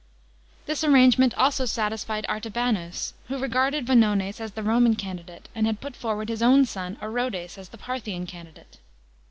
This arrangement also satisfied Artabanus, who regarded Vonones as the Roman candidate and had put forward his own son Orodes as the Parthian candidate.